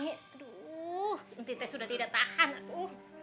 nteng teh sudah tidak tahan atu